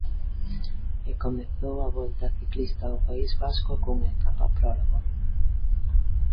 E comezou a Volta Ciclista ao País Vasco cunha etapa prólogo.